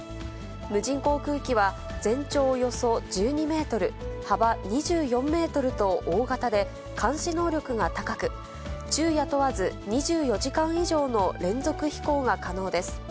無人航空機は、全長およそ１２メートル、幅２４メートルと大型で、監視能力が高く、昼夜問わず２４時間以上の連続飛行が可能です。